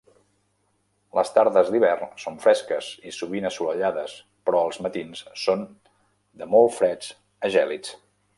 Les tardes d'hivern són fresques i sovint asolellades, però els matins són de molt freds a gèlids.